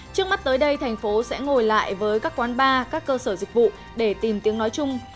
trước mắt tới đây thành phố sẽ ngồi lại với các quán bar các cơ sở dịch vụ để tìm tiếng nói chung